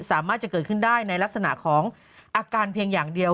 สามารถจะเกิดขึ้นได้ในลักษณะของอาการเพียงอย่างเดียว